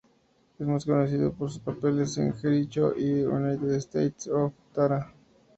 Es más conocido por sus papeles en Jericho y "United States of Tara".